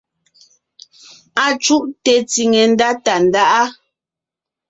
Acùʼte tsiŋe ndá Tàndáʼa.